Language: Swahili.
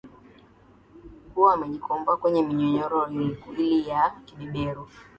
kuwa wamejikomboa kwenye minyororo ile ya ya ubeberu